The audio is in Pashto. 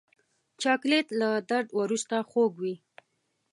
چاکلېټ له درد وروسته خوږ وي.